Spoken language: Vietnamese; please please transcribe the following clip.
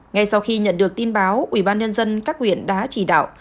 ngay sau khi nhận được tin báo ubnd các huyện đã chỉ đạo